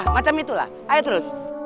gak apa gu